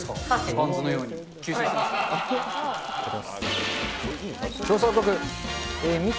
バンズのように吸収しました？